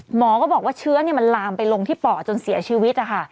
หมอก็บอกว่าเชื้อมันลามไปลงที่ป่อจนเสียชีวิตนะคะ